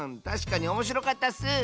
たしかにおもしろかったッス！